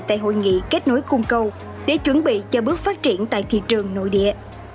tại hội nghị kết nối cung cầu để chuẩn bị cho bước phát triển tại thị trường nội địa